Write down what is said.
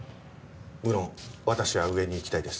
無論私は上に行きたいです。